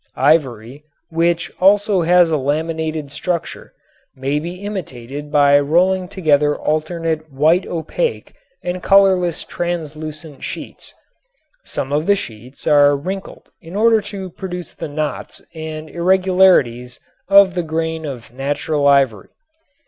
Ivory, which also has a laminated structure, may be imitated by rolling together alternate white opaque and colorless translucent sheets. Some of the sheets are wrinkled in order to produce the knots and irregularities of the grain of natural ivory.